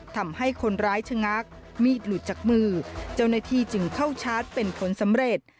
ทำให้คนร้ายชะงักมีดหลุดจากมือเจ้าหน้าที่จึงเข้าชาร์จเป็นผลสำเร็จ